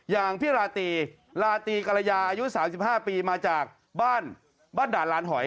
อย่างพี่ราตรีราตรีกรยาอายุ๓๕ปีมาจากบ้านบ้านด่านลานหอย